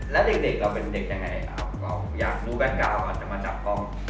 แล้วเด็กเราเป็นเด็กยังไงอยากรู้แบตการ์ว่าจะมาจับกล้อง